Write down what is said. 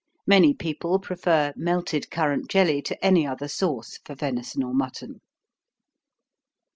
Many people prefer melted currant jelly to any other sauce for venison or mutton.